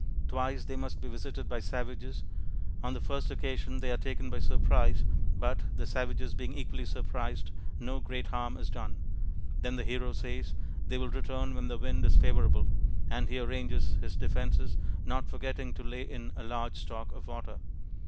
Twice they must be visited by savages. On the first occasion they are taken by surprise, but the savages being equally surprised no great harm is done. Then the Hero says, "They will return when the wind is favourable," and he arranges his defences, not forgetting to lay in a large stock of water.